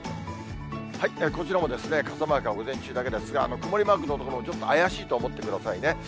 こちらも傘マークは午前中だけですが、曇りマークの所も、ちょっと怪しいと思ってくださいね。